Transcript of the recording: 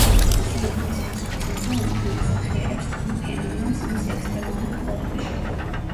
სიეტლის მუსიკის მუზეუმი განასახიერებს ამ ფენომენს მის ექსტრემალურ ფორმაში.